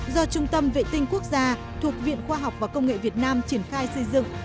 do trung tâm vệ tinh quốc gia thuộc viện khoa học và công nghệ việt nam triển khai xây dựng